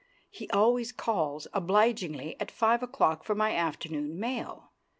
(He always calls obligingly at five o'clock for my afternoon mail.)